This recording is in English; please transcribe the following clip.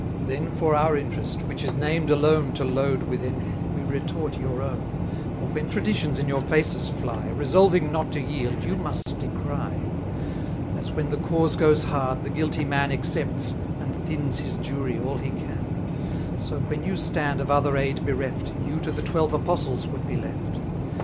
Then for our interest, which is named alone To load with envy, we retort your own, For when Traditions in your faces fly, 240 Resolving not to yield, you must decry. As when the cause goes hard, the guilty man Excepts, and thins his jury all he can; So when you stand of other aid bereft, You to the Twelve Apostles would be left.